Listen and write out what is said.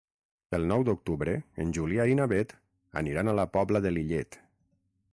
El nou d'octubre en Julià i na Beth aniran a la Pobla de Lillet.